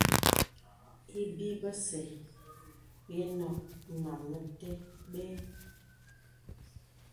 Ibi bəsə̀ bə ǐ nɔk màm mətè bə̀.